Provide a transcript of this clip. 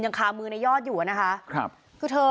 คามือในยอดอยู่อะนะคะครับคือเธอ